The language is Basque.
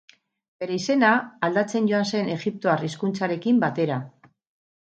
Bere izena, aldatzen joan zen egiptoar hizkuntzarekin batera.